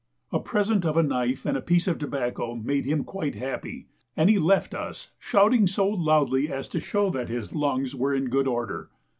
A present of a knife and a piece of tobacco made him quite happy, and he left us shouting so loudly as to show that his lungs were in good order.